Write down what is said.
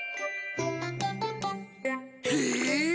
へえ。